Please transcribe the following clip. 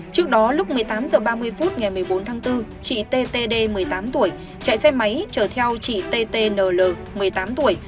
trước đó lúc một mươi tám h ba mươi phút ngày một mươi bốn tháng bốn chị ttd một mươi tám tuổi chạy xe máy chở theo chị ttnl một mươi tám tuổi